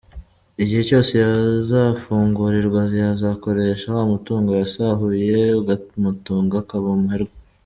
Igihe cyose yazafungurirwa, yazakoresha wa mutungo yasahuye ukamutunga akaba umuherwe”.